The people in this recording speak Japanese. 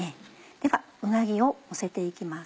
ではうなぎをのせて行きます。